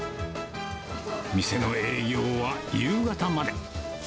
店の営業は夕方まで。